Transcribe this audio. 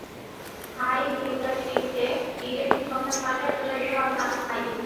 High হিলগাজী টিভিতে ঈদের দিন সন্ধ্যা ছয়টায় প্রচারিত হবে নাটক হাই হিল।